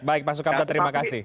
baik pak sukamta terima kasih